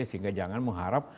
sehingga jangan mengharap